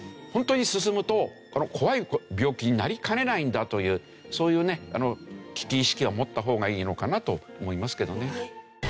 ホントに進むと怖い病気になりかねないんだというそういうね危機意識は持った方がいいのかなと思いますけどね。